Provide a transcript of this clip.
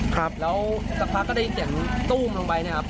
ครับแล้วสักพักก็ได้ยินเสียงตู้มลงไปเนี่ยครับ